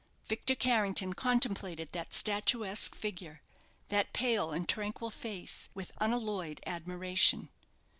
Victor Carrington contemplated that statuesque figure, that pale and tranquil face, with unalloyed admiration.